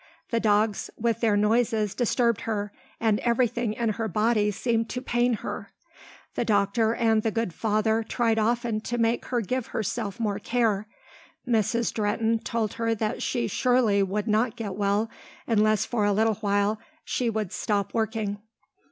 The dogs with their noises disturbed her and everything in her body seemed to pain her. The doctor and the good father tried often to make her give herself more care. Mrs. Drehten told her that she surely would not get well unless for a little while she would stop working.